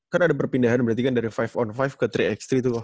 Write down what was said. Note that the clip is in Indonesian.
kan ada perpindahan berarti kan dari lima on lima ke tiga x tiga itu loh